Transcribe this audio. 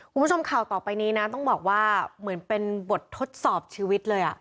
คุณผู้ชมข่าวต่อไปนี้นะต้องบอกว่าเหมือนเป็นบททดสอบชีวิตเลยอ่ะ